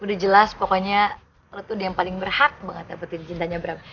udah jelas pokoknya lo tuh dia yang paling berhak banget dapetin cintanya bram